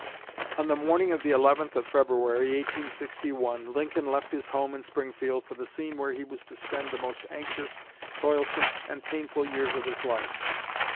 On the morning of the 11th of February, 1861, Lincoln left his home in Springfield for the scene where he was to spend the most anxious, toilsome, and painful years of his life.